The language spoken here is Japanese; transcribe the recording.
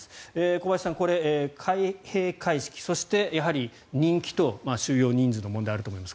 小林さん、開閉会式そして、やはり人気と収容人数の問題があると思います。